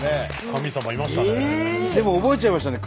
神様いましたね。